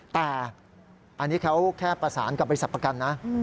แต่อันนี้เขาแค่ประสานกับบริษัทประกันนะ